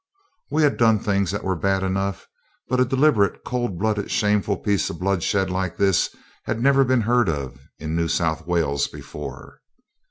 We had done things that were bad enough, but a deliberate, cold blooded, shameful piece of bloodshed like this had never been heard of in New South Wales before.